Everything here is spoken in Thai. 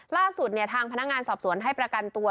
ล่าสุดทางพนักงานสอบสวนให้ประกันตัว